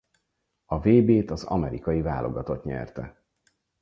A vb-t az amerikai válogatott nyerte.